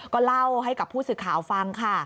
ก็เล่าให้กับผู้สื่อข่าวฟังค่ะ